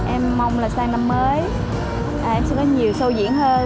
em mong là sang năm mới em sẽ có nhiều sâu diễn hơn